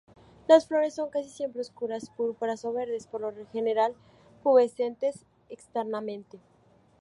Las flores son casi siempre oscuras, púrpuras o verdes, por lo general pubescentes externamente.